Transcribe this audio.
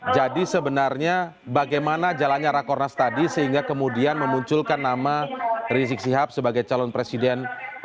jadi sebenarnya bagaimana jalannya rakornas tadi sehingga kemudian memunculkan nama rizik sihab sebagai calon presiden dua ratus dua belas